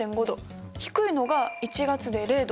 低いのが１月で０度。